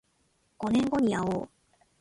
五年後にあおう